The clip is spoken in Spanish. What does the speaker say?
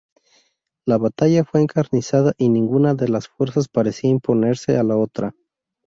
La batalla fue encarnizada y ninguna de las fuerzas parecía imponerse a la otra.